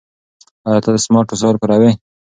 ایا ته سمارټ وسایل کاروې؟